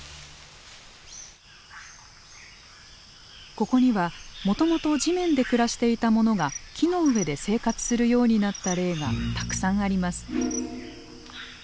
ここにはもともと地面で暮らしていた者が木の上で生活するようになった例がたくさんあります。